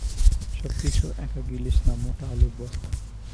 সবকিছু একা গিলিস না, মোটা আলুর বস্তা।